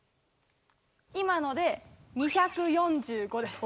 今ので２４５です。